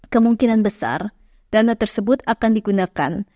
kemungkinan besar dana tersebut akan digunakan